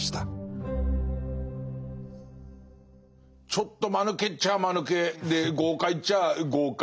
ちょっとまぬけっちゃあまぬけで豪快っちゃあ豪快。